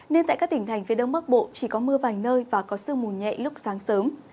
nên tại các tỉnh thành phía đông bắc bộ chỉ có mưa vài nơi và có sương mù nhẹ lúc sáng sớm